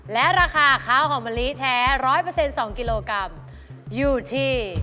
และราคาข้าวหอมมะลิแท้๑๐๐๒กิโลกรัมอยู่ที่